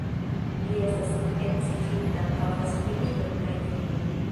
Li estas edziĝinta, havas filinon kaj filon.